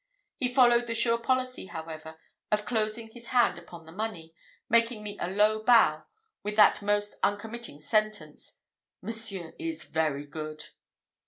He followed the sure policy, however, of closing his hand upon the money, making me a low bow, with that most uncommitting sentence, "Monsieur is very good."